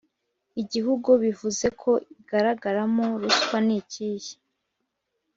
igihugu bavuze ko igaragaramo ruswa nikihe